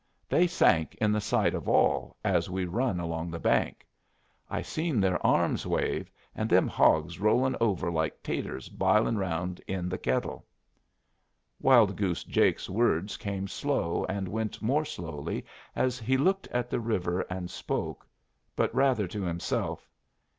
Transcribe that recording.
They sank in the sight of all, as we run along the bank. I seen their arms wave, and them hogs rolling over like 'taters bilin' round in the kettle." Wild Goose Jake's words came slow and went more slowly as he looked at the river and spoke, but rather to himself.